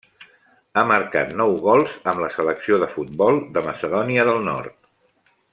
Ha marcat nou gols amb la selecció de futbol de Macedònia del Nord.